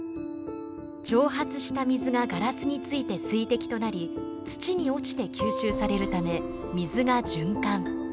蒸発した水がガラスについて水滴となり土に落ちて吸収されるため水が循環。